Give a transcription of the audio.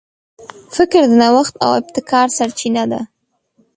فکر د نوښت او ابتکار سرچینه ده.